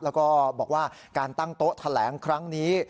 แล้วก็บอกว่าการตั้งโต๊ะแถลงครั้งนี้